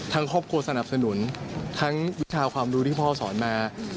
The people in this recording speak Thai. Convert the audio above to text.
ครอบครัวสนับสนุนทั้งวิชาความรู้ที่พ่อสอนมา